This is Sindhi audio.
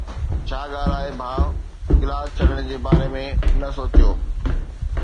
ڇا ڳالهه آهي ڀاءُ؟ ڪلاس ڇڏڻ جي باري ۾ نه سوچيو.